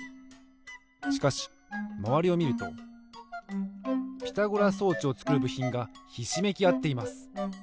しかしまわりをみるとピタゴラ装置をつくるぶひんがひしめきあっています。